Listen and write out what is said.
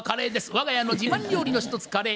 我が家の自慢料理の一つカレー。